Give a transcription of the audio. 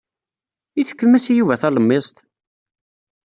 I tefkem-as i Yuba talemmiẓt?